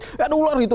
nggak ada ular itu